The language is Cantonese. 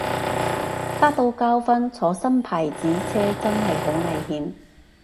得到教訓，坐新牌子車真係好危險